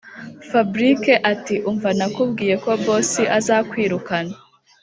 fabric ati”umva nakubwiye ko boss azakwirukana